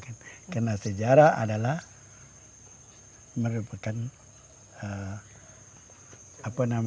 karena sejarah adalah merupakan